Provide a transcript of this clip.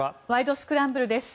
スクランブル」です。